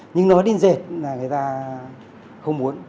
nhưng nói đến dệt là người ta không muốn